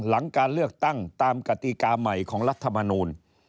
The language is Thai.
หลังการเลือกตั้งตามกติกาใหม่ของรัฐมนูล